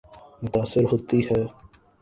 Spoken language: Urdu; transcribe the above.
متاثر ہوتی ہے۔